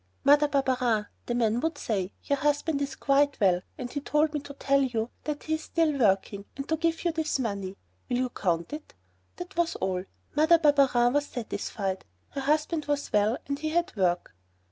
"Mother Barberin," the man would say, "your husband is quite well, and he told me to tell you that he's still working, and to give you this money. Will you count it?" That was all. Mother Barberin was satisfied, her husband was well and he had work.